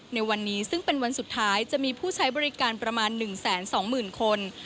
ในวันนี้ซึ่งเป็นวันสุดท้ายจะมีผู้ใช้บริการประมาณ๑๒๐๐๐คน